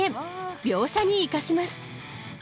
描写に生かします。